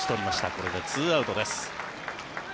これで２アウトです。